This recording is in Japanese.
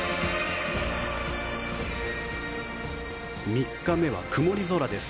３日目は曇り空です。